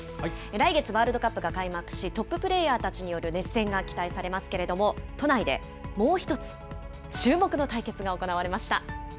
来月、ワールドカップが開幕し、トッププレーヤーたちによる熱戦が期待されますけれども、都内でもう一つ、注目の対決が行われました。